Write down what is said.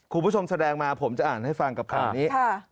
คุณผู้ชมแสดงมาผมจะอ่านให้ฟังกับข่าวนี้